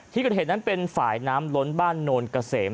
ที่เกิดเหตุนั้นเป็นฝ่ายน้ำล้นบ้านโนนเกษม